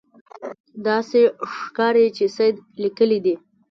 داسې ښکاري چې سید لیکلي دي.